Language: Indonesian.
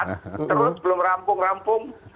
terus belum rampung rampung